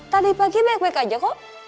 tadi pagi naik baik aja kok